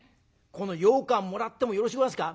このようかんもらってもよろしゅうござんすか？